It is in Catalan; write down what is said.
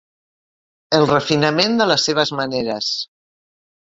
El refinament de les seves maneres.